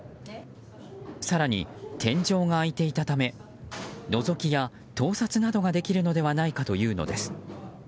更に、天井が開いていたためのぞきや盗撮などができるのではないかというのです。